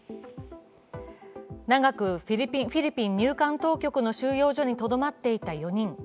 長くフィリピン入管当局の収容所にとどまっていた４人。